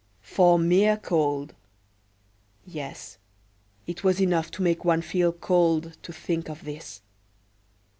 for mere cold; yes, it was enough to make one feel cold to think of this.